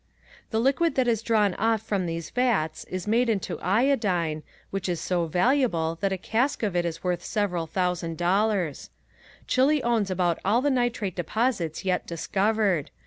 The liquid that is drawn off from these vats is made into iodine, which is so valuable that a cask of it is worth several hundred dollars. Chile owns about all the nitrate deposits yet discovered.